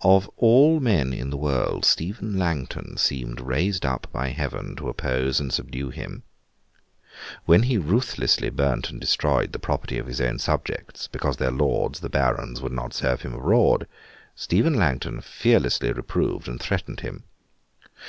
Of all men in the world, Stephen Langton seemed raised up by Heaven to oppose and subdue him. When he ruthlessly burnt and destroyed the property of his own subjects, because their Lords, the Barons, would not serve him abroad, Stephen Langton fearlessly reproved and threatened him.